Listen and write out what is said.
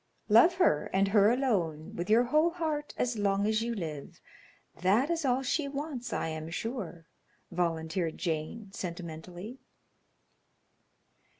"Love her, and her alone, with your whole heart, as long as you live. That is all she wants, I am sure," volunteered Jane, sentimentally.